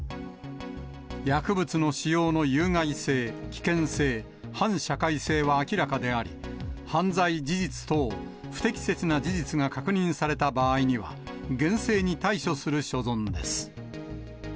薬物の使用の有害性、危険性、反社会性は明らかであり、犯罪事実等、不適切な事実が確認された場合には、厳正に対処する所存です。